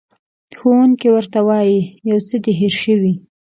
ښوونکی ورته وایي، یو څه دې هېر شوي.